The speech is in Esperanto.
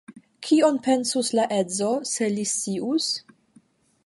Kion pensus la edzo, se li scius?